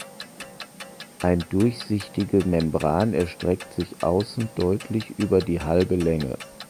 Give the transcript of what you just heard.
Ein durchsichtige Membran erstreckt sich außen deutlich über die halbe Länge.